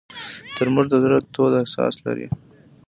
ترموز د زړه تود احساس لري.